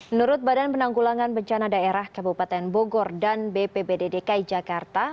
menurut badan penanggulangan bencana daerah kabupaten bogor dan bpbd dki jakarta